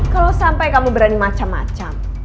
kalau sampai kamu berani macam macam